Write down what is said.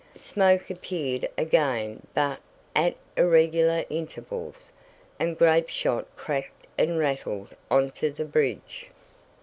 Smoke appeared again but at irregular intervals, and grapeshot cracked and rattled onto the bridge.